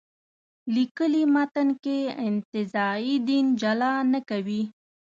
لیکلي متن کې انتزاعي دین جلا نه کوي.